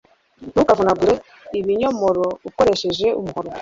Ntukavunagure ibinyomoro ukoresheje umuhoro.